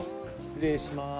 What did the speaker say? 失礼します。